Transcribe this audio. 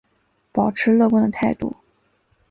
抱持乐观的态度